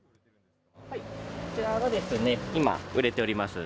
今、こちらが今、売れております。